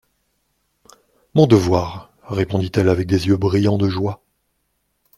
Mon devoir, répondit-elle avec des yeux brillants de joie.